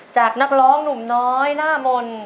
นักร้องหนุ่มน้อยหน้ามนต์